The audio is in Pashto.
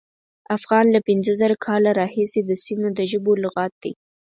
افغان له پینځه زره کاله راهیسې د سیمې د ژبو لغت دی.